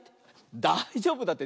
だいじょうぶだって。